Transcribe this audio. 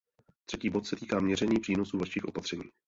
Třetí bod se týká měření přínosů vašich opatření.